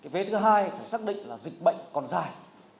vế thứ hai phải xác định là dịch bệnh còn dài